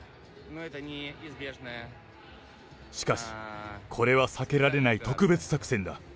しかし、これは避けられない特別作戦だ。